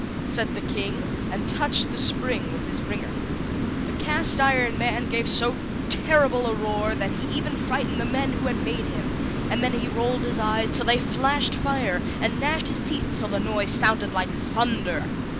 said the King, and touched the spring with his ringer. The Cast iron Man gave so terrible a roar that he even frightened the men who had made him; and then he rolled his eyes till they flashed fire, and gnashed his teeth till the noise sounded like thunder.